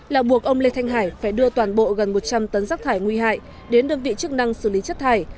là buộc ông lê thanh hải phải đưa toàn bộ gần một trăm linh tấn rác thải nguy hại đến đơn vị chức năng xử lý chất thải